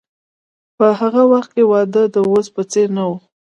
په هغه وخت کې واده د اوس په څیر نه و.